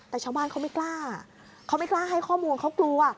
แต่ชาวบ้านเขาไม่กล้าเขาไม่กล้าให้ข้อมูลเขากลัว